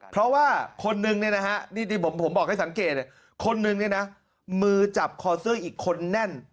เพราะว่าคนนึงเนี่ยนะฮะนี่ที่ผมบอกให้สังเกตคนนึงเนี่ยนะมือจับคอเสื้ออีกคนแน่น